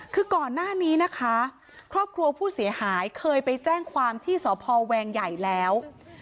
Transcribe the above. คือก่อนหน้านี้นะคะครอบครัวผู้เสียหายเคยไปแจ้งความที่สพแวงใหญ่แล้ว